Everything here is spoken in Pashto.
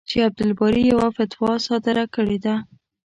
چې عبدالباري یوه فتوا صادره کړې ده.